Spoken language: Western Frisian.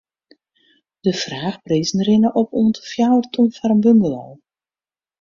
De fraachprizen rinne op oant de fjouwer ton foar in bungalow.